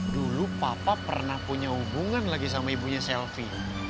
dulu papa pernah punya hubungan lagi sama ibunya selvi